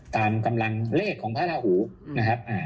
กำลังเลขของพระราหูนะครับ